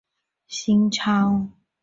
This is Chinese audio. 后再度受邀而再赴东京从事导演工作。